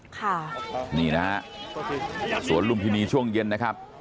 ค่ะนี่นะฮะสวนลุมพินีช่วงเย็นนะครับ